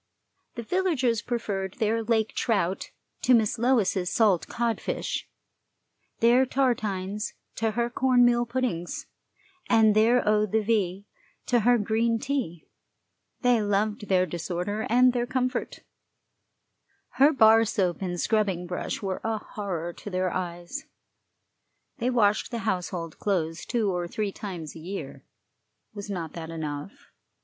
The villagers preferred their lake trout to Miss Lois's salt codfish, their tartines to her corn meal puddings, and their eau de vie to her green tea; they loved their disorder and their comfort; her bar soap and scrubbing brush were a horror to their eyes. They washed the household clothes two or three times a year. Was not that enough?